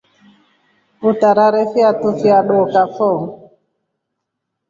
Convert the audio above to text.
Utarare fiatu fya dookafo.